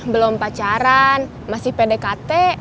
belom pacaran masih pdkt